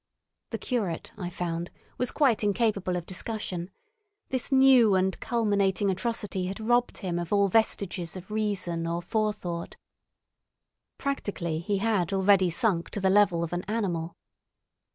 The curate, I found, was quite incapable of discussion; this new and culminating atrocity had robbed him of all vestiges of reason or forethought. Practically he had already sunk to the level of an animal.